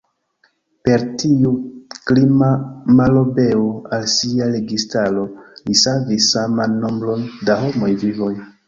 Per tiu "krima" malobeo al sia registaro li savis saman nombron da homaj vivoj.